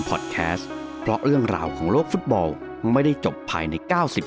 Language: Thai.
โปรดติดตามตอนต่อไป